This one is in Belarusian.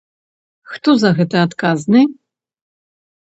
Хто за гэта адказны?